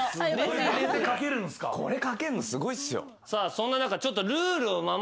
そんな中ちょっと。